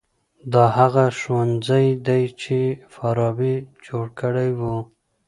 دا هغه ښوونځی دی چي فارابي جوړ کړی و.